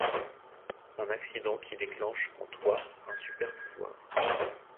Un accident qui déclenche en toi un superpouvoir.